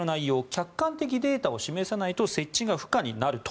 客観的データを示さないと設置が不可になると。